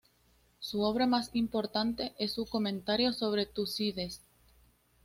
Su obra más importante es su comentario sobre Tucídides.